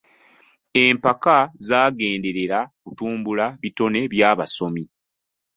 Empaka zaagenderera kutumbula bitone by'abasomi.